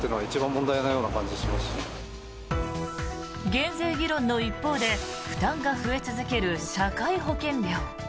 減税議論の一方で負担が増え続ける社会保険料。